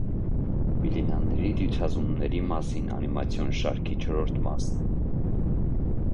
Բիլինաների դյուցազունների մասին անիմացիոն շարքի չորրորդ մասն է։